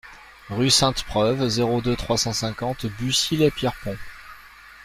Rue Sainte-Preuve, zéro deux, trois cent cinquante Bucy-lès-Pierrepont